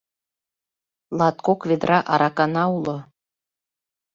Латкок ведра аракана уло